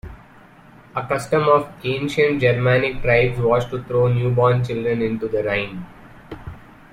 A custom of ancient Germanic tribes was to throw newborn children into the Rhine.